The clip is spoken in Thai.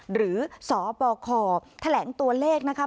สบคแถลงตัวเลขนะคะ